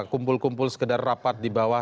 kumpul kumpul sekedar rapat di bawah